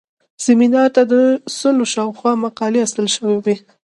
سیمینار ته د سلو شاوخوا مقالې استول شوې وې.